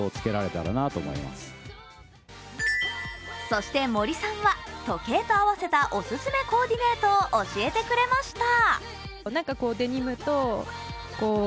そして森さんは、時計と合わせたおすすめコーディネートを教えてくれました。